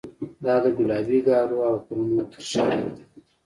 دا د ګلابي ګارو او غرونو تر شا پټ دی.